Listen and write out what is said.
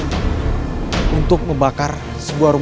coconut kueruktur boleh ya